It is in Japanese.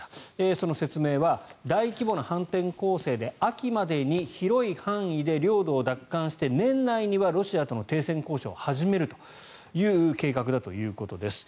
その説明は大規模な反転攻勢で秋までに広い範囲で領土を奪還して年内にはロシアとの停戦交渉を始めるという計画だということです。